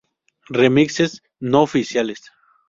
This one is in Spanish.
Remixes no oficiales